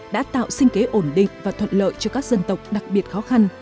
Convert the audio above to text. đã tạo sinh kế ổn định và thuận lợi cho các dân tộc đặc biệt khó khăn